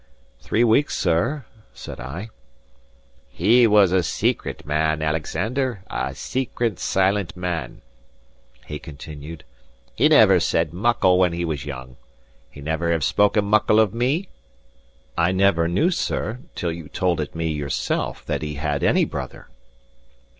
"Three weeks, sir," said I. "He was a secret man, Alexander a secret, silent man," he continued. "He never said muckle when he was young. He'll never have spoken muckle of me?" "I never knew, sir, till you told it me yourself, that he had any brother."